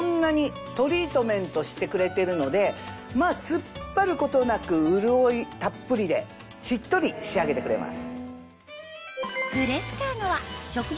トリートメントしてくれてるのでまぁ突っ張ることなく潤いたっぷりでしっとり仕上げてくれます。